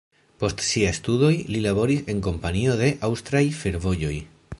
Post siaj studoj li laboris en Kompanio de Aŭstraj Fervojoj.